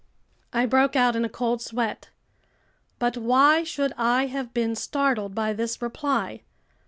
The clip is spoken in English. I broke out in a cold sweat. But why should I have been startled by this reply?